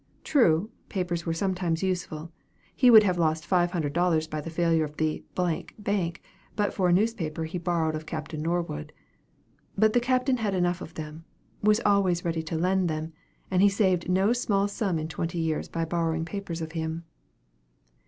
True, papers were sometimes useful; he would have lost five hundred dollars by the failure of the Bank, but for a newspaper he borrowed of Captain Norwood. But the Captain had enough of them was always ready to lend to him and he saved no small sum in twenty years by borrowing papers of him.